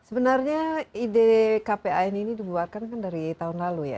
sebenarnya ide kpan ini dibuarkan kan dari tahun lalu ya